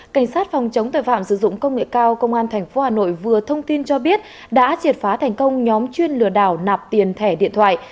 cảnh sát phòng chống tội phạm sử dụng công nghệ cao công an tp hà nội vừa thông tin cho biết đã triệt phá thành công nhóm chuyên lừa đảo nạp tiền thẻ điện thoại